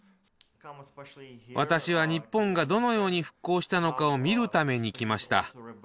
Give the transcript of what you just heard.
私は、日本がどのように復興したのかを見るために来ました。